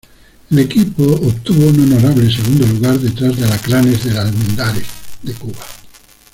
El equipo obtuvo un honorable segundo lugar detrás de Alacranes del Almendares de Cuba.